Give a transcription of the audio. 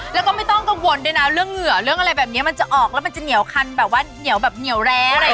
แล้วก็ไม่ต้องกังวลด้วยนะเรื่องเหงื่อเรื่องอะไรแบบนี้มันจะออกแล้วมันจะเหนียวคันแบบว่าเหนียวแบบเหนียวแร้อะไรอย่างนี้